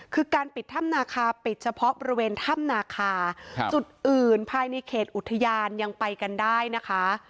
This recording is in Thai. คือการปิดถ้ำนาคาปิดเฉพาะบริเวณถ้ำนาคาจุดอื่นภายในเขตอุทยานยังไปกันได้นะคะ